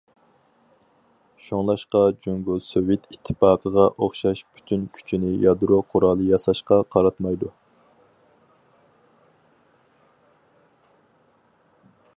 شۇڭلاشقا جۇڭگو سوۋېت ئىتتىپاقىغا ئوخشاش پۈتۈن كۈچىنى يادرو قورالى ياساشقا قاراتمايدۇ.